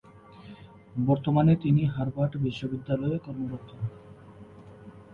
বর্তমানে তিনি হার্ভার্ড বিশ্ববিদ্যালয়ে কর্মরত।